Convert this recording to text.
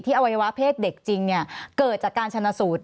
อวัยวะเพศเด็กจริงเกิดจากการชนะสูตร